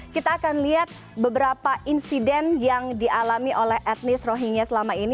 kita akan lihat beberapa insiden yang dialami oleh etnis rohingya selama ini